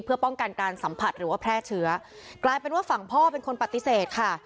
เพื่อป้องกันการสัมผัสหรือว่าแพร่เชื้อกลายเป็นว่าฝั่งพ่อเป็นคนปฏิเสธค่ะ